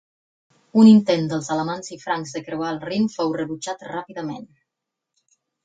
Un intent dels alamans i francs de creuar el Rin fou rebutjat ràpidament.